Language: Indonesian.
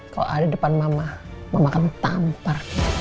kalau ada di depan mama mama akan tampar